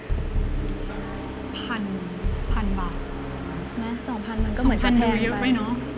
๒๐๐๐บาทมันก็เหมือนจะแทนไป